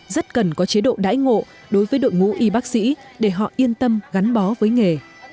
rất cần có chế độ đãi ngộ đối với đội ngũ y bác sĩ để họ yên tâm gắn bó với nghề